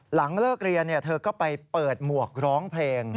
หลังเลิกเรียนเธอก็ไปเปิดหมวกร้องเพลง